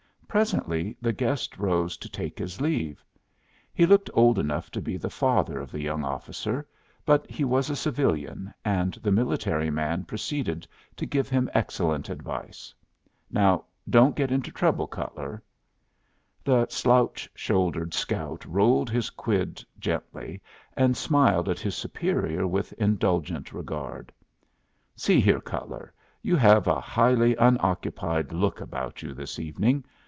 Presently the guest rose to take his leave. He looked old enough to be the father of the young officer, but he was a civilian, and the military man proceeded to give him excellent advice. "Now don't get into trouble, Cutler." The slouch shouldered scout rolled his quid gently, and smiled at his superior with indulgent regard. "See here, Cutler, you have a highly unoccupied look about you this evening.